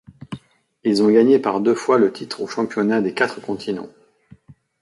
Ils ont gagné par deux fois le titre aux championnats des quatre continents.